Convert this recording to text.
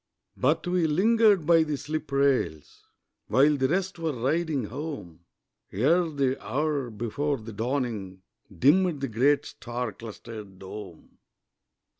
But we lingered by the slip rails While the rest were riding home, Ere the hour before the dawning, Dimmed the great star clustered dome.